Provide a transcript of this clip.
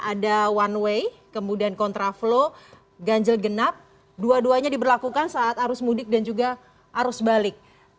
ada one way kemudian kontraflow ganjil genap dua duanya diberlakukan saat arus mudik dan juga arus balik